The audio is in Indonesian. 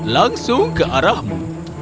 langsung ke arahmu